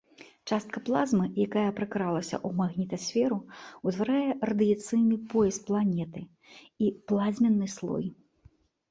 Частка плазмы, якая пракралася ў магнітасферу, утварае радыяцыйны пояс планеты і плазменны слой.